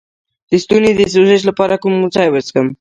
د ستوني د سوزش لپاره کوم چای وڅښم؟